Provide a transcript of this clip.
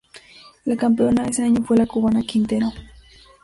La campeona ese año fue la cubana Quintero.